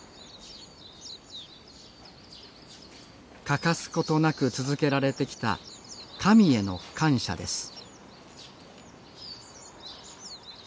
欠かす事なく続けられてきた神への感謝です